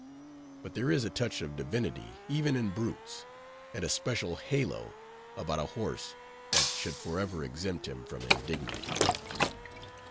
But there is a touch of divinity even in brutes, and a special halo about a horse, that should forever exempt him from indignities.